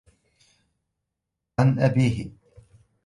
عَنْ أَبِيهِ